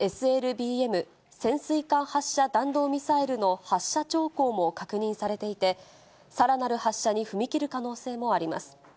ＳＬＢＭ・潜水艦発射弾道ミサイルの発射兆候も確認されていて、さらなる発射に踏み切る可能性もあります。